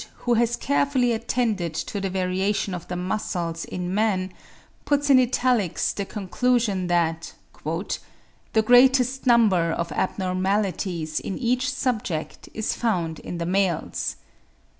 who has carefully attended to the variation of the muscles in man, puts in italics the conclusion that "the greatest number of abnormalities in each subject is found in the males."